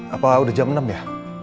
apa udah jam enam ya